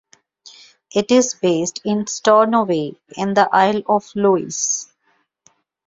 It is based in Stornoway in the Isle of Lewis.